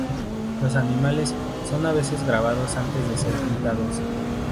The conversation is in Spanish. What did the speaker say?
Los animales son a veces grabados antes de ser pintados.